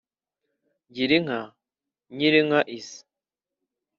Gira inka Nyirinka izi